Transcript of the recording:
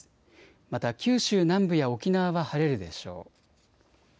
また九州南部や沖縄は晴れるでしょう。